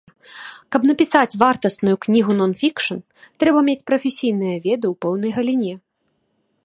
Каб напісаць вартасную кнігу нон-фікшн, трэба мець прафесійныя веды ў пэўнай галіне.